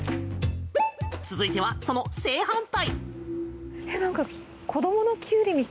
続いては、その正反対。